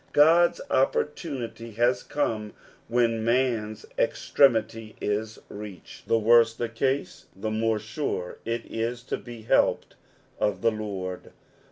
God's opportu nity has come when man's extremity is reached. The ^worse the case, the more sure it is to be helped of the Lord.